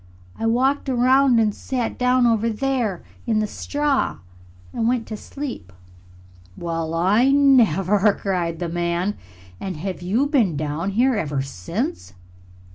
"I walked around and sat down over there in the straw and went to sleep." "Well, I never!" cried the man. "And have you been down here ever since?"